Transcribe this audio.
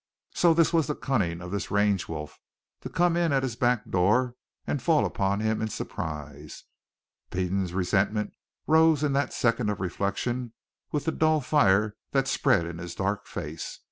So, this was the cunning of this range wolf, to come in at his back door and fall upon him in surprise! Peden's resentment rose in that second of reflection with the dull fire that spread in his dark face.